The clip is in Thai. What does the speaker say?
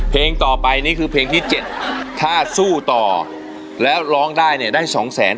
เพลงต่อไปนี่คือเพลงที่๗ถ้าสู้ต่อแล้วร้องได้เนี่ยได้สองแสน